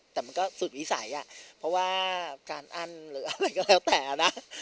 แต่มันก็สุดวิสัยอ่ะเพราะว่าการอั้นหรืออะไรก็แล้วแต่นะ